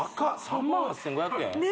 ３８５００円？